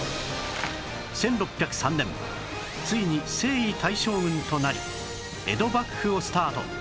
１６０３年ついに征夷大将軍となり江戸幕府をスタート